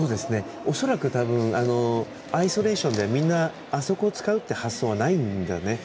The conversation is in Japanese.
恐らくアイソレーションではみんな、あそこを使うっていう発想はないんだね。